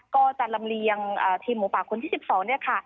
ก็จะลำเลียงทีมหมูป่าคนที่๑๒เนี่ยค่ะ